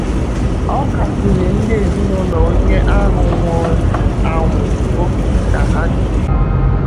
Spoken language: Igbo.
Ọ kasiri ndị ezinụlọ onye ahụ nwụrụ anwụ obi ka ha dìbé